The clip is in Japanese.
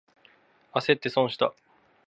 あせって損した。